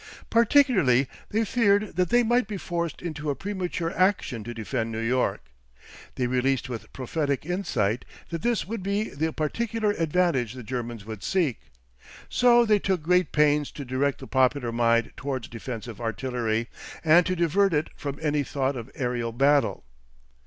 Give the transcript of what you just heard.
Particularly they feared that they might be forced into a premature action to defend New York. They realised with prophetic insight that this would be the particular advantage the Germans would seek. So they took great pains to direct the popular mind towards defensive artillery, and to divert it from any thought of aerial battle.